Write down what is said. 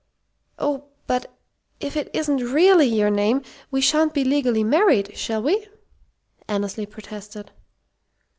"Oh, but if it isn't really your name, we sha'n't be legally married, shall we?" Annesley protested.